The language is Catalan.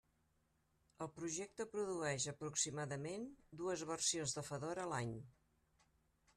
El projecte produeix aproximadament dues versions de Fedora l'any.